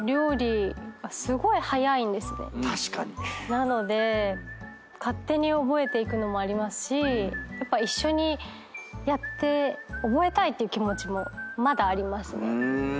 なので勝手に覚えていくのもありますしやっぱ一緒にやって覚えたいっていう気持ちもまだありますね。